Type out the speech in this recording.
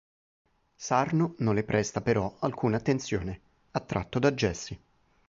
Sarno non le presta però alcuna attenzione, attratto da Jesse.